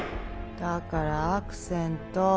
だからアクセント。